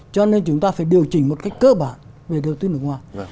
cho nên chúng ta phải điều chỉnh một cách cơ bản về đầu tư nước ngoài